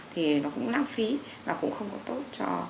thì nó cũng lãng phí và cũng không có tốt cho